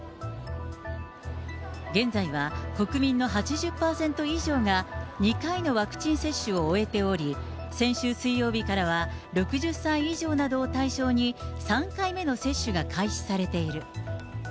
現在は国民の８０％以上が２回のワクチン接種を終えており、先週水曜日からは、６０歳以上などを対象に、３回目の接種が開始されている。